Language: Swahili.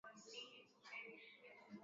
hapo maisha huendelea kama kawaida